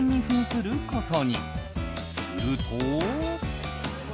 すると。